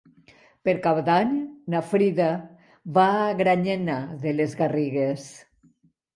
Per Cap d'Any na Frida va a Granyena de les Garrigues.